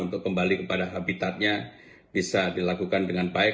untuk kembali kepada habitatnya bisa dilakukan dengan baik